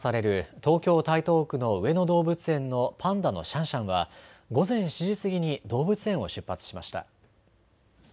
東京台東区の上野動物園のパンダのシャンシャンは午前７時過ぎに動物園を出発しました。